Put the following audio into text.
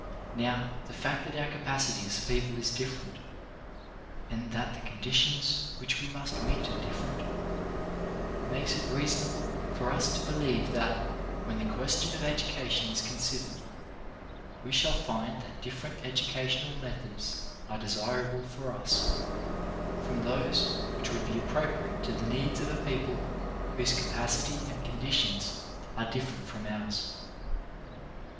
Now, the fact that our capacity as a people is different, and that the conditions which we must meet are different, makes it reasonable for us to believe that, when the question of education is considered, we shall find that different educa tional methods are desirable for us from those which would be appropriate to the needs of a people whose capacity and conditions are differ ent from ours.